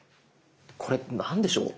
これ何でしょう？